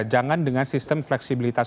jangan dengan sistem fleksibilitas